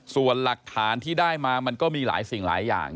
ส่วนหลักฐานที่ได้มามันก็มีหลายสิ่งหลายอย่าง